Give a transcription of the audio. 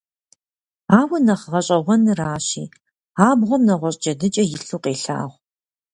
Ауэ, нэхъ гъэщӀэгъуэныращи, абгъуэм нэгъуэщӀ джэдыкӀэ илъу къелъагъу.